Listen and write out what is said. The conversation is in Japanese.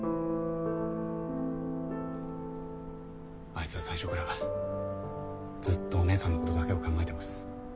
あいつは最初からずっとお姉さんのことだけを考えてます。